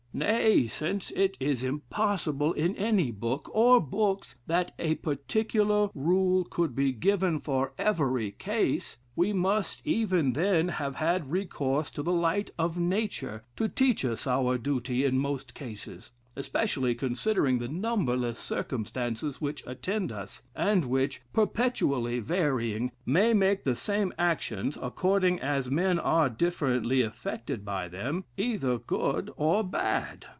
Nay, since it is impossible in any book, or books, that a particular rule could be given for every case, we must even then have had recourse to the light of nature to teach us our duty in most cases; especially considering the numberless circumstances which attend us, and which, perpetually varying, may make the same actions, according as men are differently affected by them, either good or bad.